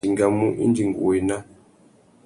Nʼdingamú indi ngu wô ena.